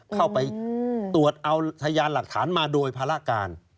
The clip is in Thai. เข้าไปตรวจเอาพยานหลักฐานมาโดยภาระการ